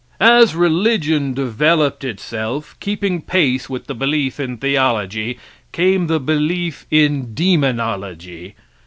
As religion developed itself, keeping pace with the belief in theology, came the belief in demonology.